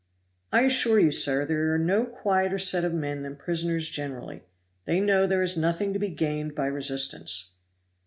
"I assure you, sir, there are no quieter set of men than prisoners generally. They know there is nothing to be gained by resistance."